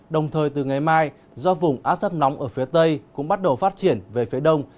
đồng thời từ ngày mai do vùng áp thấp nóng ở phía tây cũng bắt đầu phát triển về phía đông